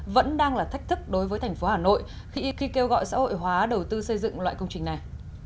vẫn đang là thách thức đối với thành phố hà nội khi eki kêu gọi xã hội hóa đầu tư xây dựng loại công trình này